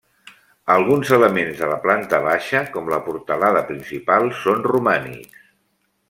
Alguns elements de la planta baixa, com la portalada principal, són romànics.